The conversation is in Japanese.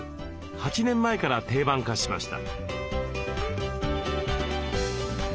８年前から定番化しました。